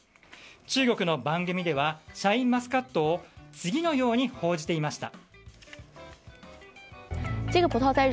中国の番組ではシャインマスカットを次のように報じていました。